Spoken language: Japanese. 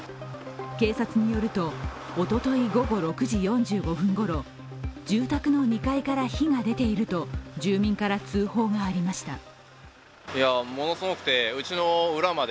警察によるとおととい午後６時４５分ごろ住宅の２階から火が出ていると住民から通報がありました。